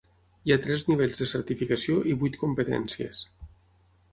Hi ha tres nivells de certificació i vuit competències.